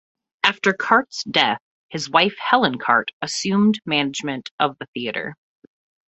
After Carte's death, his wife Helen Carte assumed management of the theatre.